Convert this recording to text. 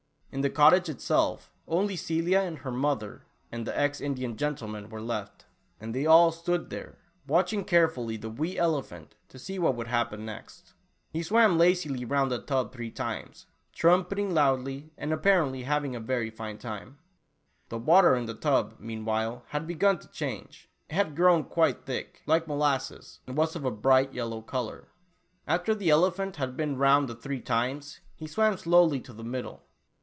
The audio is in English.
In the cottage itself, only Celia and her mother and the ex Indian gentleman were left, and they all stood there, watching carefully the wee elephant, to see what would happen next. He swam lazily round the tub three times, trumpeting loudly and apparently having a very Tula Oolah. 53 fine time. The water in tlie tub, meanwhile, had begun to change. It had grown quite thick — Uke molasses, and was of a bright yellow color. After the elephant had been round the three times, he swam slowly to the middle.